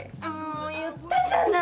言ったじゃない。